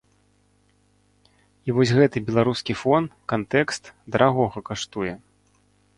І вось гэты беларускі фон, кантэкст, дарагога каштуе.